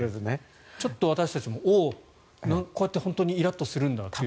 ちょっと私たちもおお、こうやって本当にイラッとするんだという。